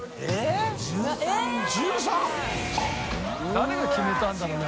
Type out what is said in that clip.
誰が決めたんだろうね